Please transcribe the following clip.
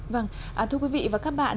vâng thưa quý vị và các bạn